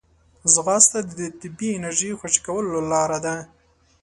ځغاسته د طبیعي انرژۍ خوشې کولو لاره ده